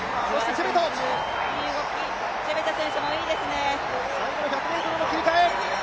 チェベト選手もいいですね。